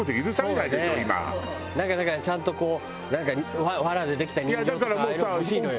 なんかだからちゃんとこうなんかわらでできた人形とかああいうのが欲しいのよ。